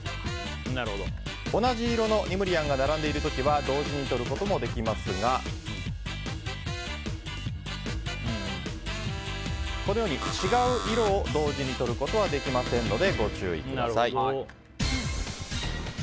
同じ色のニムリアンが並んでいる時は同時に取ることもできますが違う色を同時に取ることはできませんのでご注意ください。